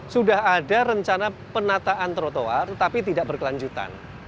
sudah ada rencana penataan trotoar tetapi tidak berkelanjutan